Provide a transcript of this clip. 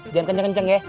jangan kenceng kenceng ya